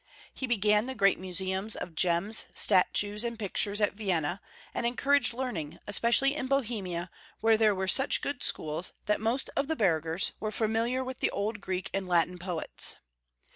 He began the great museum of gems, statues, and pictures at Vienna, and encouraged learning, especially in Bohemia, where there were such good schools that most of the burghers were familiar with the old Greek and Latin poets.